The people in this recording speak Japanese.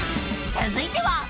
［続いては］